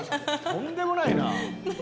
とんでもないな。